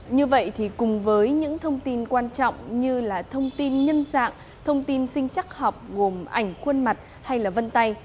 như vậy thì cùng với những thông tin quan trọng như là thông tin nhân dạng thông tin sinh chắc học gồm ảnh khuôn mặt hay là vân tay